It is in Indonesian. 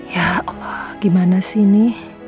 ya gimana sih ini